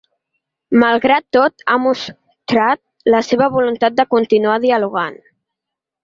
Malgrat tot, ha mostrat la seva voluntat de continuar dialogant.